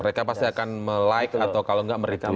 mereka pasti akan melike atau kalau nggak merituin